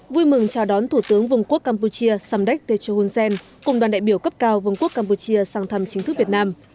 vui mừng chào đón thủ tướng vương quốc campuchia samdek techo hun sen cùng đoàn đại biểu cấp cao vương quốc campuchia sang thăm chính thức việt nam